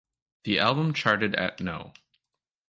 The album charted at no.